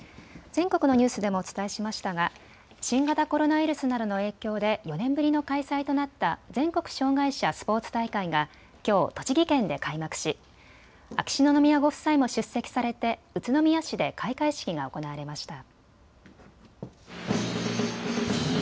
全国のニュースでもお伝えしましたが新型コロナウイルスなどの影響で４年ぶりの開催となった全国障害者スポーツ大会がきょう栃木県で開幕し秋篠宮ご夫妻も出席されて宇都宮市で開会式が行われました。